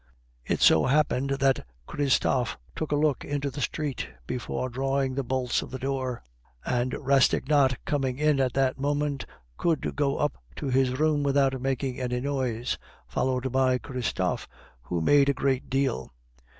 It so happened that Christophe took a look into the street before drawing the bolts of the door; and Rastignac, coming in at that moment, could go up to his room without making any noise, followed by Christophe, who made a great deal.